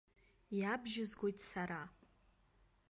Иабжьызгоит сара.